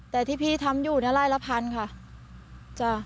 แต่ที่พี่ทำอยู่นี่ไล่ละ๑๐๐๐บาทค่ะ